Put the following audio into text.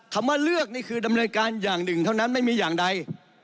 คำว่าเลือกนี่คือดำเนินการอย่างหนึ่งเท่านั้นไม่มีอย่างใด